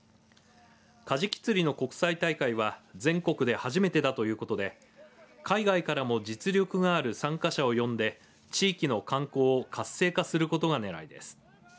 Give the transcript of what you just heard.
カジキ釣りの国際大会は全国で初めてだということで海外からも実力がある参加者を呼んで地域の観光を活性化することがねらいです。